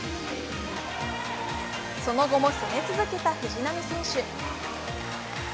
その後も攻め続けた藤波選手。